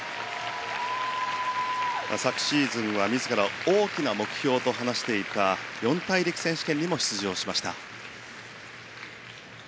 昨シーズンは自らの大きな目標と話していた四大陸選手権にも出場しました。